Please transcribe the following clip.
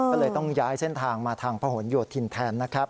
ก็เลยต้องย้ายเส้นทางมาทางพะหนโยธินแทนนะครับ